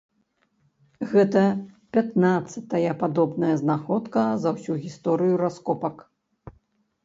Гэта пятнаццатая падобная знаходка за ўсю гісторыю раскопак.